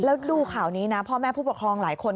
แล้วดูข่าวนี้นะพ่อแม่ผู้ปกครองหลายคน